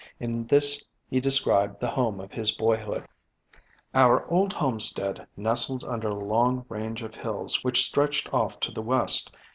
In this he described the home of his boyhood: "Our old homestead nestled under a long range of hills which stretched off to the west.